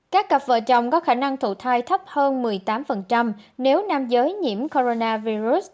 các cặp vợ chồng có khả năng thụ thai thấp hơn một mươi tám nếu nam giới nhiễm coronavirus